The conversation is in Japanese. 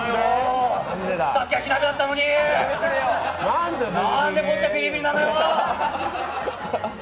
さっきは火鍋だったのに、なんでこっちはビリビリなのよ。